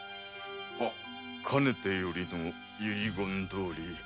かねてよりの遺言どおり